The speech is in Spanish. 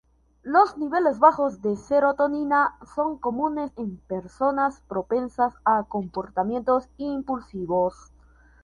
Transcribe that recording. Los niveles bajos de serotonina son comunes en personas propensas a comportamientos impulsivos.